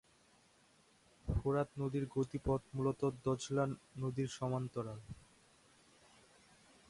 ফোরাত নদীর গতিপথ মূলত দজলা নদীর সমান্তরাল।